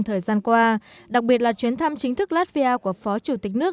thời gian qua đặc biệt là chuyến thăm chính thức latvia của phó chủ tịch nước